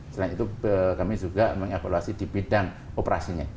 selain itu kami juga meng evaluasi di bidang operasinya